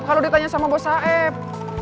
kalau ditanya sama bos saif